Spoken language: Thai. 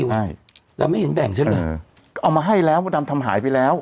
ไว้เราไม่เห็นแบ่งใช่ไหมเออก็เอามาให้แล้วมัวดำทำหายไปแล้ว